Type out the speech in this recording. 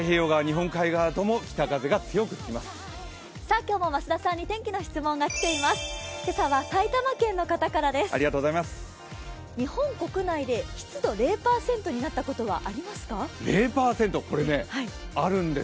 今日の増田さんに天気の質問が来ています。